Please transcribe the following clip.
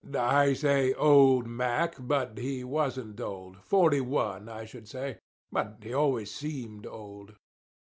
I say "old" Mack; but he wasn't old. Forty one, I should say; but he always seemed old.